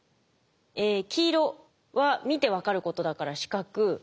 え黄色は見て分かることだから視覚。